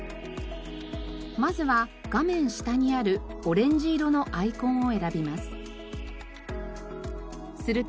まずは画面下にあるオレンジ色のアイコンを選びます。